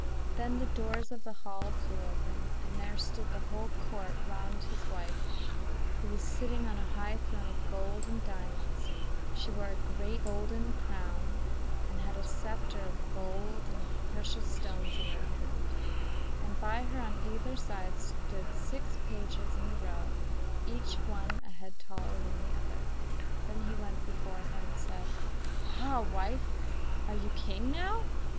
Then the doors of the hall flew open, and there stood the whole Court round his wife, who was sitting on a high throne of gold and diamonds; she wore a great golden crown, and had a sceptre of gold and precious stones in her hand, and by her on either side stood six pages in a row, each one a head taller than the other. Then he went before her and said: 'Ah, wife! are you king now?